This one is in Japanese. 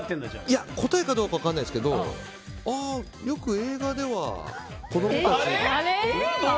いや、答えかどうかは分からないですけどああ、よく映画では子供たちが。